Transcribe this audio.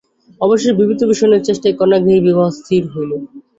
অবশেষে বিভূতিভূষণের চেষ্টায় কন্যাগৃহেই বিবাহ স্থির হইল।